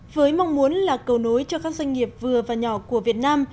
với mong muốn là cầu nối cho các doanh nghiệp vừa và nhỏ của việt nam